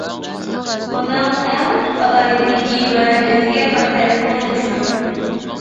ئۇنىڭ ئەڭ تۈپ ئالاھىدىلىكى ۋە ئۆزىگە خاس تەرىپىمۇ مۇشۇدۇر.